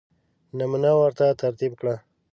نمونه ورته ترتیب کړه.